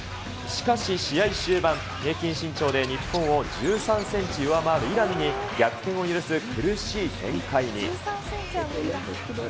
しかし試合終盤、平均身長で日本を１３センチ上回るイランに逆転を許す苦しい展開に。